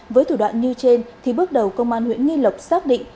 với thủ đoạn như trên thì bước đầu công an huyện nghi lộc xác định